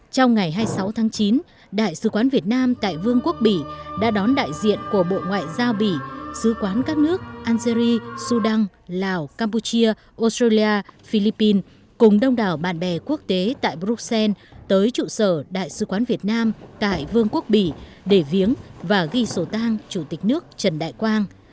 trong ngày hai mươi sáu tháng chín đại sứ quán việt nam tại vương quốc bỉ đã đón đại diện của bộ ngoại giao bỉ sứ quán các nước algeria sudan lào campuchia australia philippines cùng đông đảo bạn bè quốc tế tại bruxelles tới trụ sở đại sứ quán việt nam tại vương quốc bỉ để viếng và ghi sổ tang chủ tịch nước trần đại quang